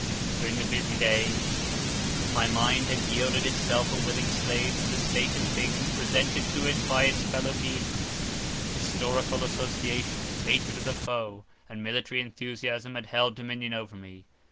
During the busy day, my mind had yielded itself a willing slave to the state of things presented to it by its fellow beings; historical association, hatred of the foe, and military enthusiasm had held dominion over me.